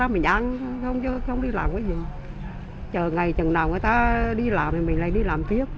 mình ăn không đi làm cái gì chờ ngày chẳng nào người ta đi làm thì mình lại đi làm tiếp